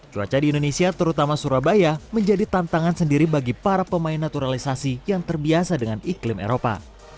cuaca di indonesia terutama surabaya menjadi tantangan sendiri bagi para pemain naturalisasi yang terbiasa dengan iklim eropa